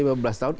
lima belas tahun